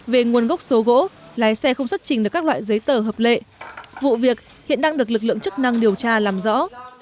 về nguồn gốc số gỗ lái xe không xuất trình được các loại giấy tờ hợp lệ vụ việc hiện đang được lực lượng chức năng điều tra làm rõ